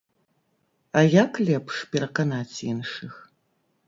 А як лепш пераканаць іншых?